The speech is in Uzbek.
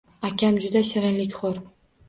Akam juda shirinlikxo`r